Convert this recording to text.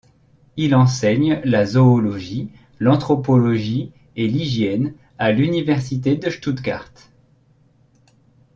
Il enseigne la zoologie, l’anthropologie et l’hygiène à l’université de Stuttgart.